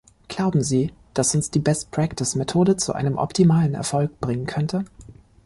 Glauben sie, dass uns die best practice-Methode zu einem optimalen Erfolg bringen könnte?